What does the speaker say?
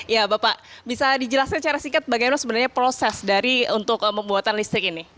ya bapak bisa dijelaskan secara singkat bagaimana sebenarnya proses dari untuk pembuatan listrik ini